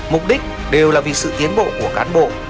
mục đích đều là vì sự tiến bộ của cán bộ